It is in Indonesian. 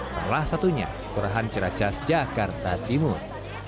salah satunya perahan ceracas jakarta timur